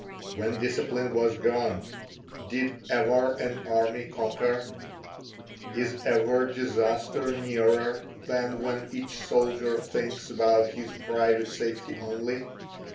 When discipline was gone, did ever an army conquer? Is ever disaster nearer than when each solider thinks about his private safety only?